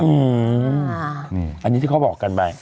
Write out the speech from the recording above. อืมอันนี้ที่เขาบอกกันไป